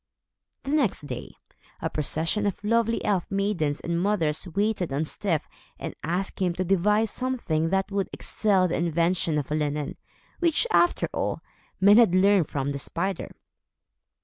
The next day, a procession of lovely elf maidens and mothers waited on Styf and asked him to devise something that would excel the invention of linen; which, after all, men had learned from the spider.